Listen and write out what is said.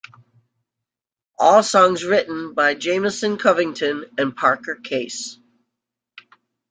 All songs written by Jamison Covington and Parker Case.